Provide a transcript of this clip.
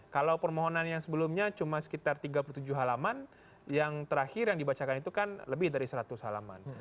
kalau permohonan yang sebelumnya cuma sekitar tiga puluh tujuh halaman yang terakhir yang dibacakan itu kan lebih dari seratus halaman